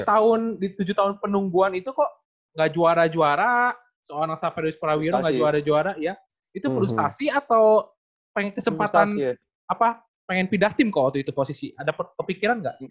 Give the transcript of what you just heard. nah di tujuh tahun penungguan itu kok gak juara juara seorang saferius prawiro gak juara juara ya itu frustasi atau pengen pindah tim kok waktu itu posisi ada kepikiran gak